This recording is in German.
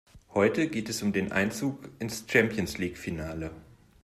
Heute geht es um den Einzug ins Champions-League-Finale.